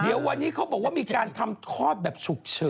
เดี๋ยววันนี้เขาบอกว่ามีการทำทอดแบบฉุกเฉิน